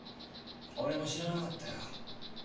俺も知らなかったよ。